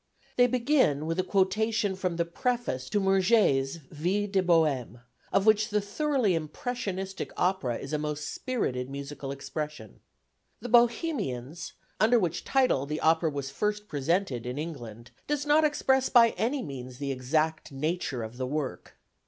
They begin with a quotation from the preface to Murger's Vie de Bohème, of which the thoroughly impressionistic opera is a most spirited musical expression. The Bohemians, under which title the opera was first presented in England, does not express by any means the exact nature of the work.